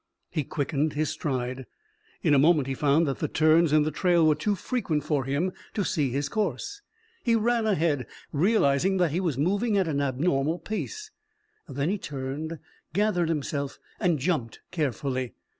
He quickened his stride. In a moment he found that the turns in the trail were too frequent for him to see his course. He ran ahead, realizing that he was moving at an abnormal pace. Then he turned, gathered himself, and jumped carefully.